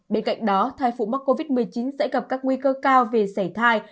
bên cạnh đó thai phụ mắc covid một mươi chín sẽ gặp các nguy cơ cao về xảy thai